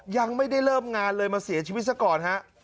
ยังไม่ได้เริ่มงานเลยมาเสียชีวิตซะก่อนฮะ